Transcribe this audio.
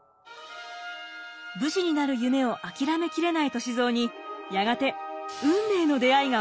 武士になる夢を諦めきれない歳三にやがて運命の出会いが訪れます。